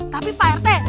tapi pak rete